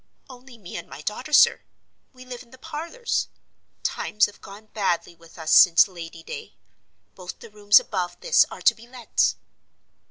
"Only me and my daughter, sir; we live in the parlors. Times have gone badly with us since Lady Day. Both the rooms above this are to let."